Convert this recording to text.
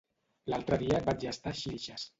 L'altre dia vaig estar a Xilxes.